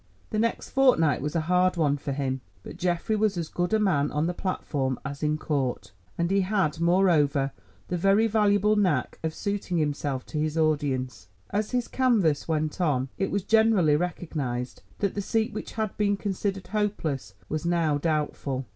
The next fortnight was a hard one for him, but Geoffrey was as good a man on the platform as in court, and he had, moreover, the very valuable knack of suiting himself to his audience. As his canvass went on it was generally recognised that the seat which had been considered hopeless was now doubtful.